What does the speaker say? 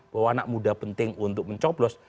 bahwa anak muda penting untuk mencoblos